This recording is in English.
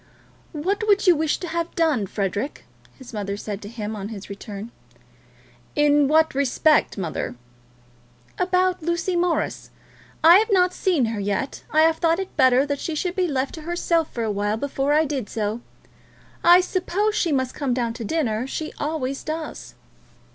"What would you wish to have done, Frederic?" his mother said to him on his return. "In what respect, mother?" "About Lucy Morris? I have not seen her yet. I have thought it better that she should be left to herself for a while before I did so. I suppose she must come down to dinner. She always does."